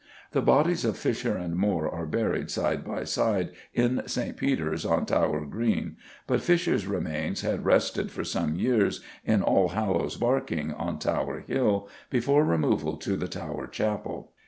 The bodies of Fisher and More are buried side by side, in St. Peter's, on Tower Green, but Fisher's remains had rested for some years in Allhallows Barking, on Tower Hill, before removal to the Tower chapel.